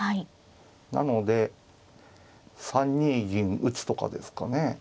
なので３二銀打とかですかね。